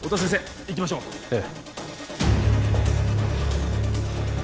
行きましょうええ